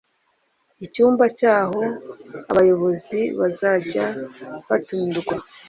icyumba cyaho abayobozi bazajya batumirwa